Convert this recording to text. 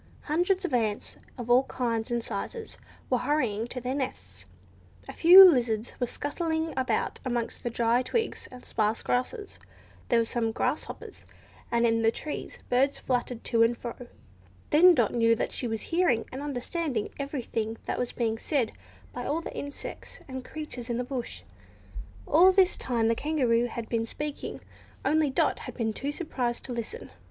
Hundreds of ants, of all kinds and sizes, were hurrying to their nests; a few lizards were scuttling about amongst the dry twigs and sparse grasses; there were some grasshoppers, and in the trees birds fluttered to and fro. Then Dot knew that she was hearing, and understanding, everything that was being said by all the insects and creatures in the bush. All this time the Kangaroo had been speaking, only Dot had been too surprised to listen.